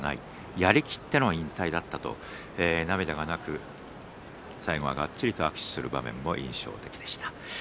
やりきっての引退だったと涙はなく最後は、がっちりと握手する場面も印象的でした。